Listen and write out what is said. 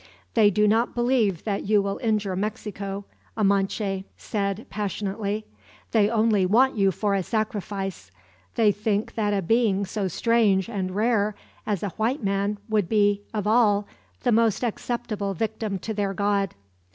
"They do not believe that you will injure Mexico," Amenche said, passionately. "They only want you for a sacrifice. They think that a being so strange and rare as a white man would be, of all, the most acceptable victim to their god.